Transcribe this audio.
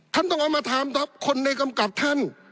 ท่านต้องเอามาถามด็อปคนในกำกับท่าน